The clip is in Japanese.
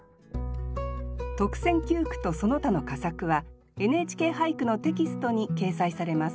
特選九句とその他の佳作は「ＮＨＫ俳句」のテキストに掲載されます。